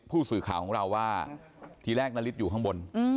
ผู้สื่อข่าวของเราว่าทีแรกนาริสอยู่ข้างบน